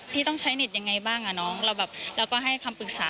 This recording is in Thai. พี่ต้องใช้เน็ตอย่างไรบ้างเราก็ให้คำปรึกษา